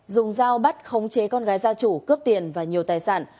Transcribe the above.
dùng dao bắt khống chế con gái gia chủ cướp tiền và nhiều tài sản